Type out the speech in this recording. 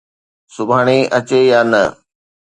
سڀاڻي اچي يا نه